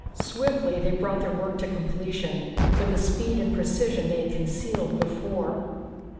Swiftly they brought their work to completion, with a speed and precision they had concealed before.